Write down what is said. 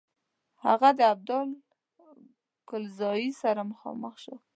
هغه د ابدال کلزايي سره مخامخ کیږي.